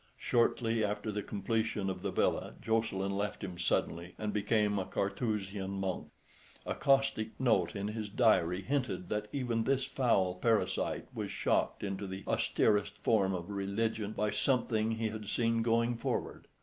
Shortly after the completion of the villa Jocelyn left him suddenly, and became a Carthusian monk. A caustic note in his diary hinted that even this foul parasite was shocked into the austerest form of religion by something he had seen going forward.